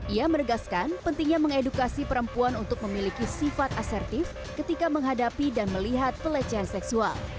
ia meregaskan pentingnya mengedukasi perempuan untuk memiliki sifat asertif ketika menghadapi dan melihat pelecehan seksual